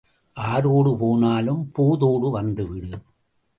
ஆரோடு போனாலும் போதோடு வந்துவிடு.